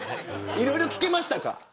いろいろ聞けましたか。